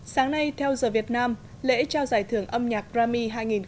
sáng nay theo giờ việt nam lễ trao giải thưởng âm nhạc grammy hai nghìn một mươi tám